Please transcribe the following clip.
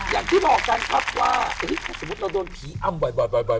อย่างที่บอกกันครับว่าถ้าสมมุติเราโดนผีอำบ่อย